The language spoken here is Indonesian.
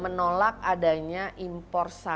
menolak impor sampah atau impor limbah b tiga